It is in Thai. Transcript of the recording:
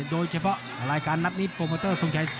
โดยเฉพาะรายการนัดนี้โปรโมเตอร์ทรงชัย